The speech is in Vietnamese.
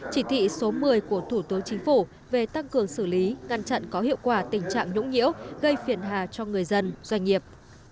chỉ thị số một mươi của thủ tướng chính phủ về tăng cường xử lý ngăn chặn có hiệu quả tình trạng nhũng nhiễu gây phiền hà cho người dân doanh nghiệp